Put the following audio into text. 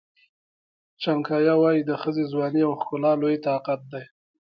چناکیا وایي د ښځې ځواني او ښکلا لوی طاقت دی.